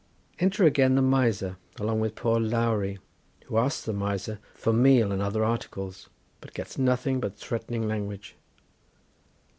Enter again the Miser along with poor Lowry, who asks the Miser for meal, and other articles, but gets nothing but threatening language.